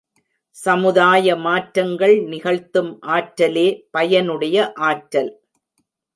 சமுதாய மாற்றங்கள் நிகழ்த்தும் ஆற்றலே பயனுடைய ஆற்றல்.